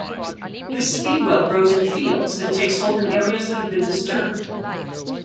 This speedwell grows in fields and takes hold in areas that have been disturbed.